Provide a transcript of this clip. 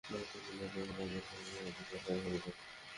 না তুমি না আমরা রাধে স্যারের সাথে দেখা করবো।